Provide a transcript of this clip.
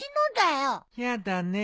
やだね。